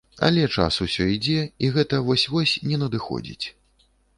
Але, час усё ідзе, і гэта вось-вось не надыходзіць.